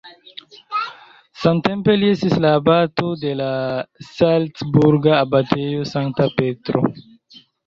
Samtempe li estis la abato de la salcburga abatejo Sankta Petro.